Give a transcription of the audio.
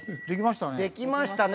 できましたね。